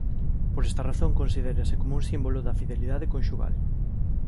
Por esta razón considérase como un símbolo da fidelidade conxugal.